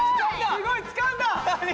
すごいつかんだ！